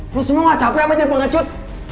lo semua gak capek ama nyepa ngecut